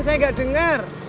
saya gak denger